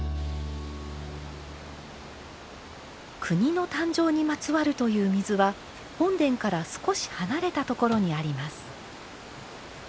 国の誕生にまつわるという水は本殿から少し離れたところにあります。